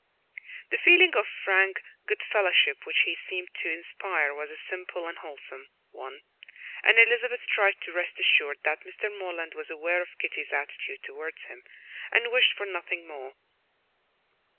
The feeling of frank goodfellowship which he seemed to inspire was a simple and wholesome one, and Elizabeth tried to rest assured that Mr. Morland was aware of Kitty's attitude towards him and wished for nothing more.